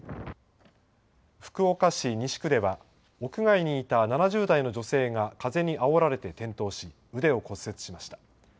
福岡市西区では、屋外にいた７０代の女性が風にあおられて転倒し、腕を骨折しました。